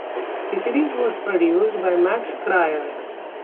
The series was produced by Max Cryer.